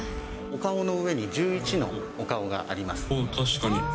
お顔の上に１１のお顔があり確かに。